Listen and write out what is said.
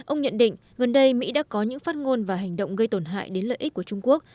ông nhận định gần đây mỹ đã có những phát ngôn và hành động gây tổn hại đến lợi ích của trung quốc